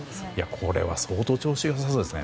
これは相当、調子が良さそうですね。